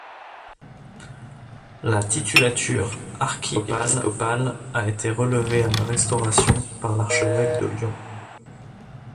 La titulature archiépiscopale a été relevée à la Restauration par l'archevêque de Lyon.